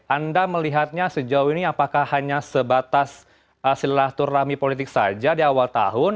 anda melihatnya sejauh ini apakah hanya sebatas silaturahmi politik saja di awal tahun